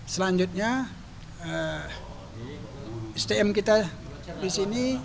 selanjutnya sdm kita di sini